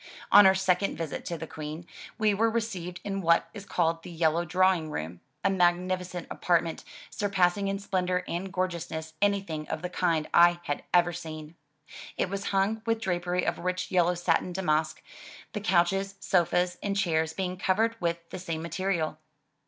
On our second visit to the Queen, we were received in what is called the "Yellow Drawing Room,'' a magnificent apartment, surpassing in splendor and gorgeousness anything of the kind I had ever seen. It was hung with drapery of rich yellow satin damask, the couches, sofas and chairs being covered with the same material.